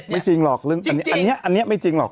จริงหรอกอันนี้ไม่จริงหรอก